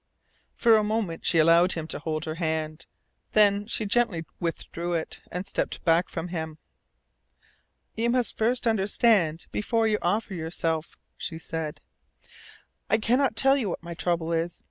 For a moment she allowed him to hold her hand. Then she gently withdrew it and stepped back from him. "You must first understand before you offer yourself," she said. "I cannot tell you what my trouble is.